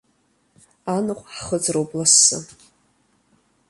Анаҟә ҳхыҵроуп лассы.